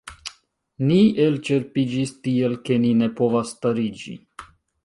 Ni elĉerpiĝis tiel ke ni ne povas stariĝi.